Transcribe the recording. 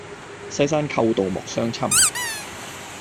西山寇盜莫相侵。